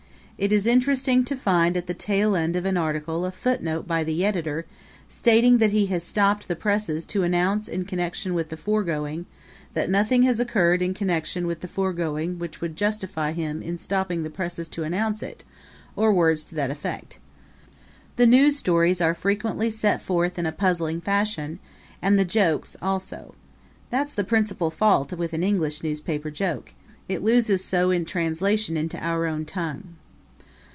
It is interesting to find at the tail end of an article a footnote by the editor stating that he has stopped the presses to announce in connection with the foregoing that nothing has occurred in connection with the foregoing which would justify him in stopping the presses to announce it; or words to that effect. The news stories are frequently set forth in a puzzling fashion, and the jokes also. That's the principal fault with an English newspaper joke it loses so in translation into our own tongue.